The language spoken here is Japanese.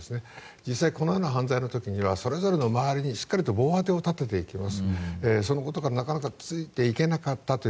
実際、このような犯罪の時にはそれぞれの周りにしっかりと防波堤を立てていきます。